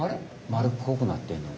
まるっこくなってんの。